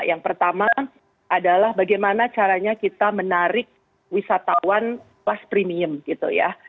yang pertama adalah bagaimana caranya kita menarik wisatawan plus premium gitu ya